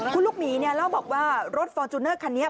คุณลูกหมีเนี่ยเล่าบอกว่ารถฟอร์จูเนอร์คันนี้